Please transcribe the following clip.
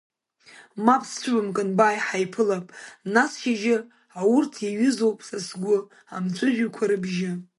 Мап сцәыбымкын, бааи, ҳаиԥылап нас шьыжьы, аурҭ иаҩызоуп са сгәы амҵәыжәҩақәа рыбжьы!